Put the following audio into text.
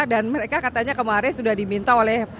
dan mereka katanya kemarin sudah diminta oleh